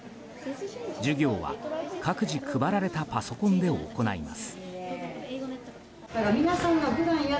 授業は各自配られたパソコンで行います。